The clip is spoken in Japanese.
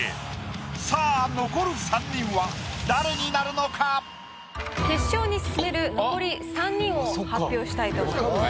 さあ残る３人は誰になるのか⁉決勝に進める残り３人を発表したいと思います。